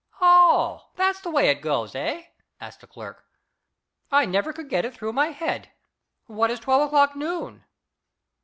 "Oh, that's the way it goes, eh?" asked the clerk. "I never could get it through my head. What is twelve o'clock noon?"